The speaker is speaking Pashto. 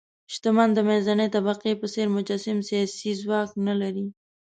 شتمن د منځنۍ طبقې په څېر منسجم سیاسي ځواک نه لري.